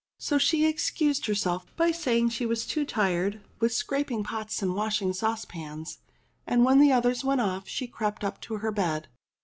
So she excused herself by saying she was too tired with scraping pots and washing saucepans ; and when the others went off, she crept up to her bed.